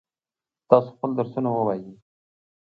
تاسو خپل درسونه ووایئ.